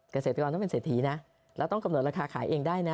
เกษตรกรต้องเป็นเศรษฐีนะแล้วต้องกำหนดราคาขายเองได้นะ